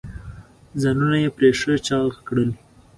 ځانونه یې پرې ښه چاغ کړل.